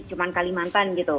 cuma kalimantan gitu